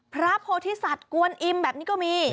พระโพธิสัตว์กวนอิมแบบนี้ก็มี